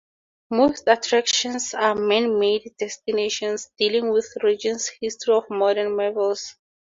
Most attractions are man-made destinations, dealing with the region's history or modern marvels.